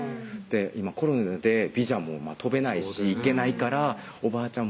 今コロナでビザも取れないし行けないから「おばあちゃん